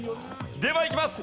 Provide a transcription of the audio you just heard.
ではいきます。